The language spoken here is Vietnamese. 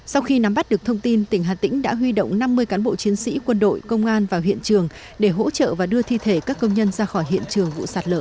sau khi nắm bắt được thông tin tỉnh hà tĩnh đã huy động năm mươi cán bộ chiến sĩ quân đội công an vào hiện trường để hỗ trợ và đưa thi thể các công nhân ra khỏi hiện trường vụ sạt lở